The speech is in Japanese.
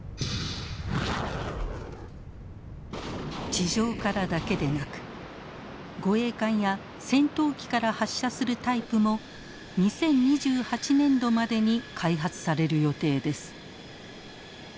地上からだけでなく護衛艦や戦闘機から発射するタイプも２０２８年度までに開発される予定です。